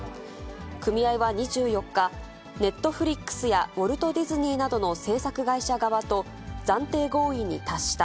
組合は２４日、ネットフリックスやウォルト・ディズニーなどの制作会社側と暫定合意に達した。